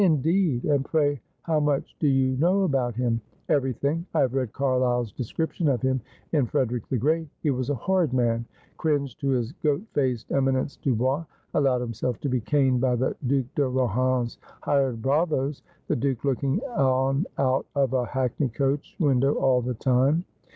' Indeed ! And pray how much do you know about him ?'' Everything. I have read Carlyle's description of him in " Frederick the Great." He was a horrid man ; cringed to his goat faced eminence Dubois ; allowed himself to be caned by the Due de Rohan's hired bravoes, the Due looking on out of a hackney coach window all the time.'